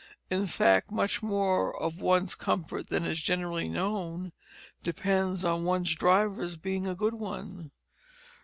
In fact much more of one's comfort than is generally known depends upon one's driver being a good one.